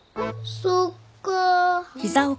そっかぁ。